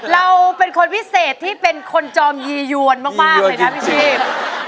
เราเป็นคนพิเศษที่เป็นคนจอมยียวนมากเลยนะพี่ชีพ